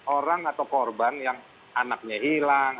orang atau korban yang anaknya hilang